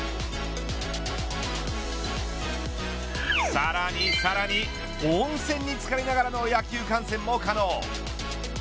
さらにさらに温泉につかりながらの野球観戦も可能。